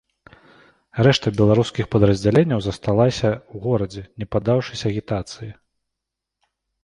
Рэшта беларускіх падраздзяленняў засталася ў горадзе, не паддаўшыся агітацыі.